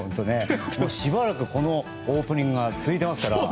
しばらくこのオープニングが続いていますから。